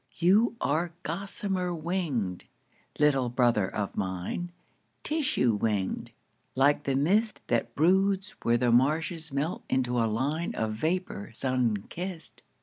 You are gossamer winged, little brother of mine, Tissue winged, like the mist That broods where the marshes melt into a line Of vapour sun kissed.